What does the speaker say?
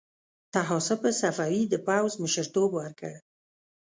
طاهاسپ صفوي د پوځ مشرتوب ورکړ.